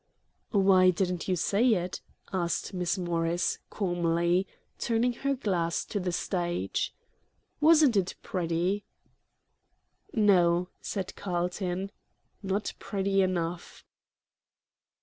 "Why didn't you say it?" asked Miss Morris, calmly, turning her glass to the stage. "Wasn't it pretty?" "No," said Carlton "not pretty enough."